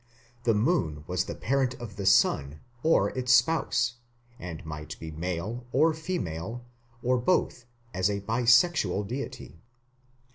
The moon was the parent of the sun or its spouse; and might be male, or female, or both as a bisexual deity.